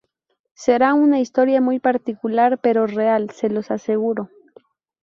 Será una historia muy particular, pero real, se los aseguro.